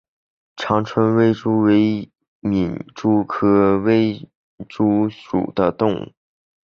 长春微蛛为皿蛛科微蛛属的动物。